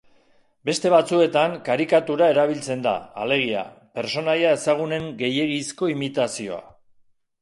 Beste batzuetan karikatura erabiltzen da, alegia, pertsonaia ezagunen gehiegizko imitazioa.